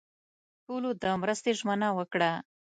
ټولو د مرستې ژمنه ورکړه.